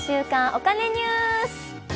お金ニュース」。